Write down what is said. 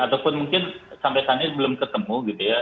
ataupun mungkin sampai saat ini belum ketemu gitu ya